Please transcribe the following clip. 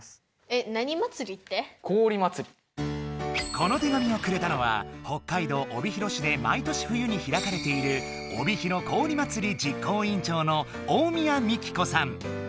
この手紙をくれたのは北海道帯広市で毎年冬にひらかれている「おびひろ氷まつり」実行委員長の大宮美紀子さん。